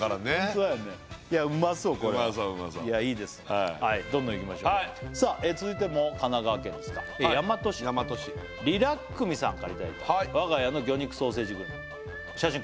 そううまそういやいいですねどんどんいきましょうさあ続いても神奈川県ですか大和市りらっくみさんからいただいた我が家の魚肉ソーセージグルメ写真